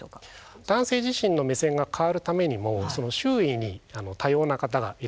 男性自身の目線が変わるためにもその周囲に多様な方がいらっしゃる。